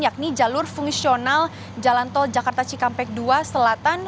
yakni jalur fungsional jalan tol jakarta cikampek dua selatan